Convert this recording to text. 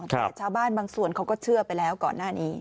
แต่ชาวบ้านบางส่วนเขาก็เชื่อไปแล้วก่อนหน้านี้